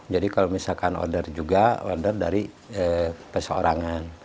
jadi kalau misalkan order juga order dari perseorangan